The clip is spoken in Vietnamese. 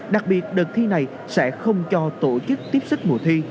đặc biệt đợt thi này sẽ không cho tổ chức tiếp sức mùa thi